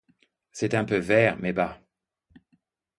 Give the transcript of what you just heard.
C’est un peu vert, mais bah !